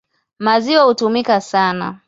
Maziwa hutumika sana.